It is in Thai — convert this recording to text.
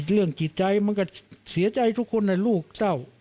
เรื่องจิตใจมันก็เสียใจทุกคนลูกเศร้า